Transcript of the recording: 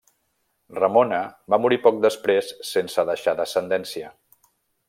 Ramona va morir poc després sense deixar descendència.